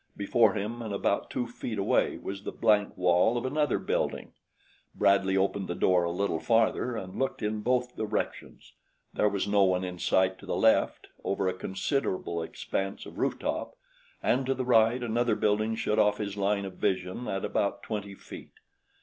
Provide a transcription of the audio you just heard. Before him and about two feet away was the blank wall of another building. Bradley opened the door a little farther and looked in both directions. There was no one in sight to the left over a considerable expanse of roof top, and to the right another building shut off his line of vision at about twenty feet.